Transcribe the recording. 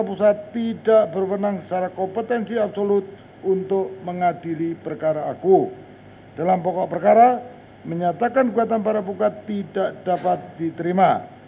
menghukum para terbanding para punggat untuk membayar biaya timbul secara tanggung renteng